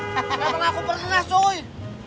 kenapa aku pernah cuy